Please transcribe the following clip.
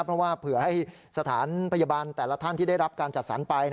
เพราะว่าเผื่อให้สถานพยาบาลแต่ละท่านที่ได้รับการจัดสรรไป